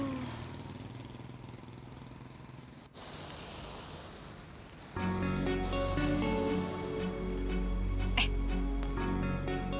ngapain sekitar sini